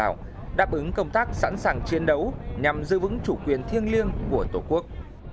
và phát triển kinh tế biển đảo đáp ứng công tác sẵn sàng chiến đấu nhằm giữ vững chủ quyền thiêng liêng của tổ quốc